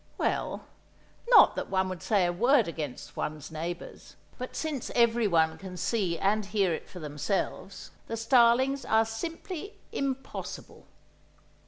—well—not that one would say a word against one's neighbours, but since everyone can see and hear it for themselves, the starlings are simply "impossible."